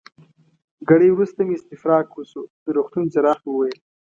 ګړی وروسته مې استفراق وشو، د روغتون جراح وویل.